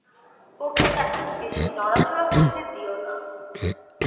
ওকে এখন বেশি নড়াচড়া করতে দিও না।